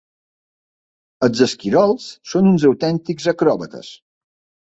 Els esquirols són uns autèntics acròbates.